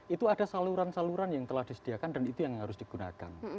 itu ada saluran saluran yang telah disediakan dan itu yang harus digunakan